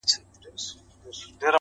د ژوندون نور وړی دی اوس په مدعا يمه زه!!